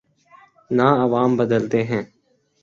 نہ عوام بدلتے ہیں۔